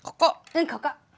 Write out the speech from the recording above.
うんここ。